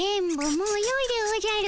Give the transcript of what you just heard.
もうよいでおじゃる。